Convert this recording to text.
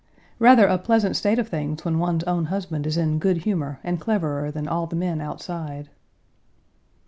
Rather a pleasant state of things when one's own husband is in good humor and cleverer than all the men outside.